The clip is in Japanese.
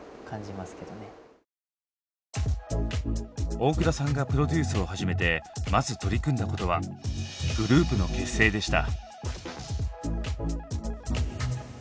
大倉さんがプロデュースを始めてまず取り組んだことはグループの結成でした。